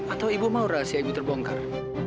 atau ibu mau rahasia ibu terbongkar